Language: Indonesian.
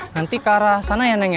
nanti ke arah sana ya neng ya